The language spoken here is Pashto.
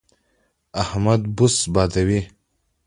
احمد بوس بادوي.